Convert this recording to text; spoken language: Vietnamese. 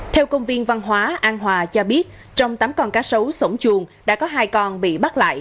theo công viên văn hóa an hòa cho biết trong tám con cá sấu sống chuồng đã có hai con bị bắt lại